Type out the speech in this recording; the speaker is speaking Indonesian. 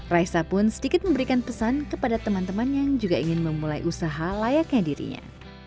raisa pun sedikit memberikan pesan kepada teman teman yang juga ingin memulai usaha layaknya dirinya